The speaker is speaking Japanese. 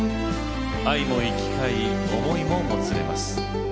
愛も行き交い、思いももつれます。